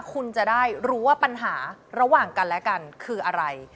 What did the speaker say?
คุณจะได้รู้ว่าปัญหาระหว่างกันและกันคืออะไร